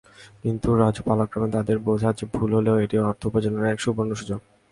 কিন্তু রাজু পালাক্রমে তাদের বোঝায় যে ভুল হলেও, এটি অর্থ উপার্জনের এক সুবর্ণ সুযোগ।